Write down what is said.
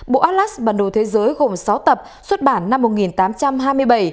bộ atlas bản đồ thế giới gồm sáu tập xuất bản năm một nghìn tám trăm hai mươi bảy